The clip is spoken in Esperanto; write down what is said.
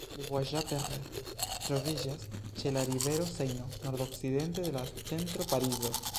Levallois-Perret troviĝas ĉe la rivero Sejno, nordokcidente de la centro Parizo.